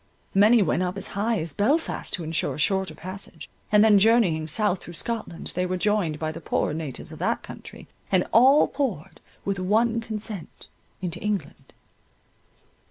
Many went up as high as Belfast to ensure a shorter passage, and then journeying south through Scotland, they were joined by the poorer natives of that country, and all poured with one consent into England.